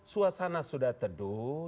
suasana sudah teduh